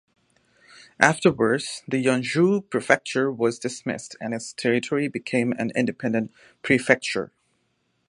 Afterwards the Yanzhou prefecture was dismissed and its territory became an independent prefecture.